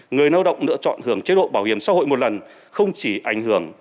người lao động lựa chọn hưởng chế độ bảo hiểm xã hội một lần không chỉ ảnh hưởng